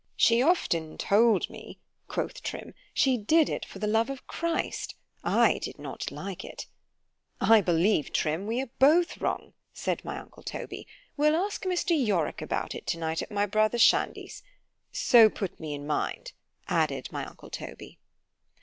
——She often told me, quoth Trim, she did it for the love of Christ—I did not like it.——I believe, Trim, we are both wrong, said my uncle Toby—we'll ask Mr. Yorick about it to night at my brother Shandy's——so put me in mind; added my uncle _Toby.